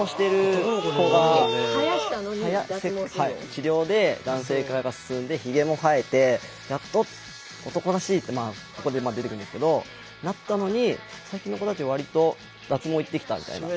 治療で男性化が進んでヒゲも生えてやっと男らしいってまあここで出てくるんですけどなったのに最近の子たちは割と脱毛行ってきたみたいな。